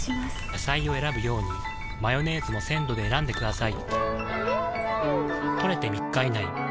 野菜を選ぶようにマヨネーズも鮮度で選んでくださいん！